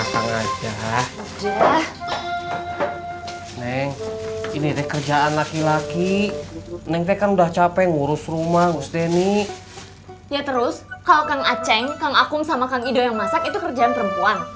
kang acing kang akung sama kang ido yang masak itu kerjaan perempuan